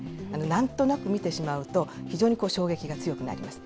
なんとなく見てしまうと、非常に衝撃が強くなります。